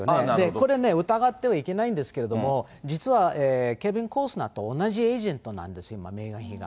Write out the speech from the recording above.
これ、疑ってはいけないんですけれども、実は、ケビン・コスナーと同じエージェントなんです、今、メーガン妃が。